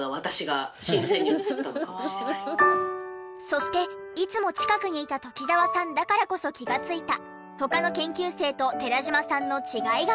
そしていつも近くにいた鴇澤さんだからこそ気がついた他の研究生と寺島さんの違いが。